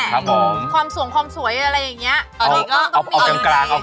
ความสูงความสวยอะไรอย่างเงี้ย